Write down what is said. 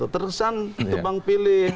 terkesan tebang pilih